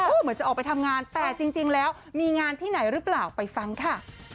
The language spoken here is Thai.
เหมือนจะออกไปทำงานแต่จริงแล้วมีงานที่ไหนหรือเปล่าไปฟังค่ะ